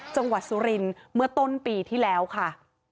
จังหวัดสุรินทร์เมื่อต้นปีที่แล้วค่ะ